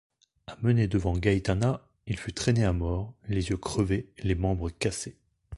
Amené devant Gaitana, il fut traîné à mort, les yeux crevés, les membres cassés.